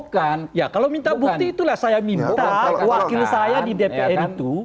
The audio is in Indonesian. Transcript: kalau minta bukti itulah saya minta wakil saya di dpr itu